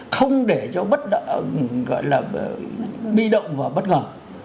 không để cho bất động gọi là bi động và bất ngờ